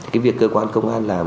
cái việc cơ quan công an làm